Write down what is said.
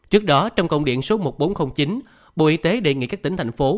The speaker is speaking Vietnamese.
trước đó trong công điện số một nghìn bốn trăm linh chín bộ y tế đề nghị các tỉnh thành phố